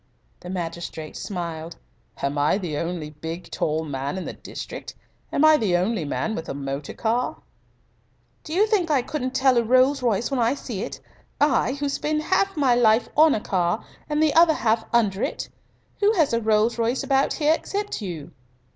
The magistrate smiled. "Am I the only big, tall man in the district? Am I the only man with a motor car?" "Do you think I couldn't tell a Rolls Royce when I see it I, who spend half my life on a car and the other half under it? Who has a Rolls Royce about here except you?"